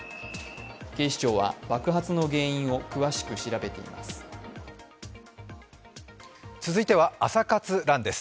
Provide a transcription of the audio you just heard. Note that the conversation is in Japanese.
警視庁は、爆発の原因を詳しく調べています。